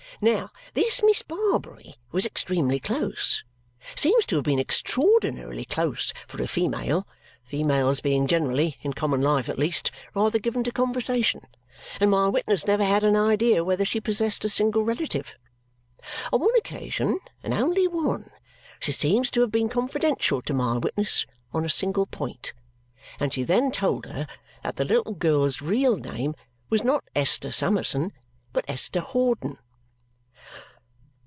Now, this Miss Barbary was extremely close seems to have been extraordinarily close for a female, females being generally (in common life at least) rather given to conversation and my witness never had an idea whether she possessed a single relative. On one occasion, and only one, she seems to have been confidential to my witness on a single point, and she then told her that the little girl's real name was not Esther Summerson, but Esther Hawdon."